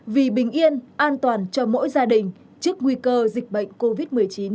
vì bình yên an toàn cho mỗi gia đình trước nguy cơ dịch bệnh covid một mươi chín